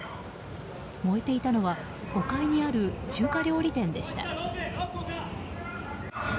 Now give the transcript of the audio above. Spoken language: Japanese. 燃えていたのは５階にある中華料理店でした。